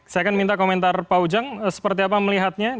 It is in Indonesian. saya akan minta komentar pak ujang seperti apa melihatnya